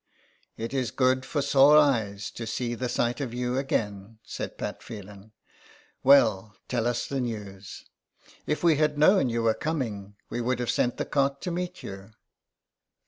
"It is good for sore eyes to see the sight of you again," said Pat Phelan. " Well, tell us the news. If we had known you were coming we would have sent the cart to meet you."